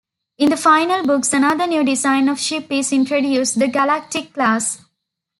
In the final books, another new design of ship is introduced, the Galactic class.